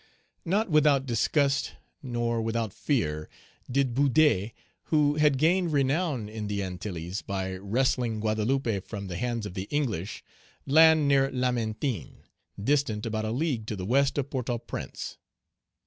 Not without disgust, nor without fear, did Boudet who had gained renown in the Antilles by wresting Guadeloupe from the hands of the English, land near Lamentin, distant about a Page 167 league to the west of Port au Prince.